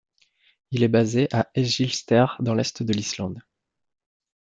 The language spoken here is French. Il est basé à Egilsstaðir dans l'est de l'Islande.